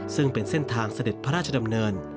ซึ่งเป็นเส้นทางเสด็จพระราชดำเนิน